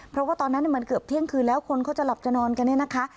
เพราะว่าตอนนั้นมันเกือบเที่ยงคืนแล้วคนเขาจะหลับจะนอนกันเนี่ยนะคะ